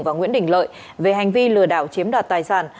và nguyễn đình lợi về hành vi lừa đảo chiếm đoạt tài sản